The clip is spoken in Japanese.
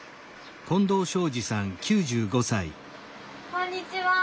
こんにちは。